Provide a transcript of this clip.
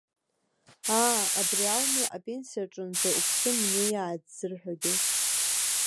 Аа, абри ауми, апенсиаҿынӡа уԥсы мнеиааит ззырҳәогьы!